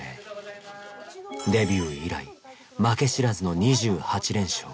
デビュー以来負け知らずの２８連勝。